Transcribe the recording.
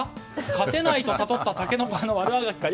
勝てないと悟ったたけのこ派の悪あがきか。